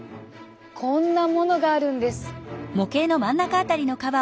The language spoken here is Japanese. こんなものがあるんです。